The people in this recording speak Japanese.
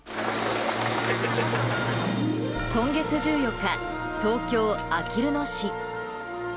今月１４日、東京・あきる野市。